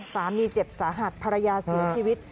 สามีเจ็บสาหัสภรรยาเสียชีวิต